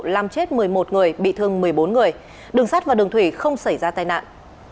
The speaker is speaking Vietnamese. làm chết một mươi một người bị thương một mươi bốn người đường sắt và đường thủy không xảy ra tai nạn